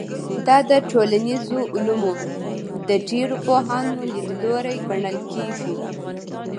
دا د ټولنیزو علومو د ډېرو پوهانو لیدلوری ګڼل کېږي.